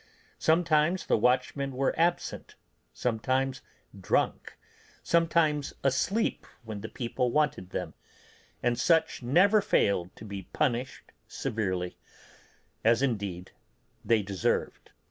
Sometimes the watchmen were absent, sometimes drunk, sometimes asleep when the people wanted them, and such never failed to be punished severely, as indeed they deserved.